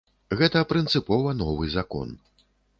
Гэта прынцыпова новы закон.